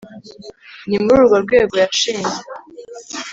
ni muri urwo rwego yashinze